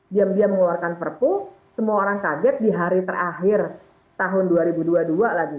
diam diam mengeluarkan perpu semua orang kaget di hari terakhir tahun dua ribu dua puluh dua lagi